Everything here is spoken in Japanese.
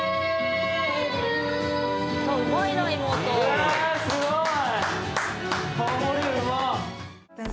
うわすごい。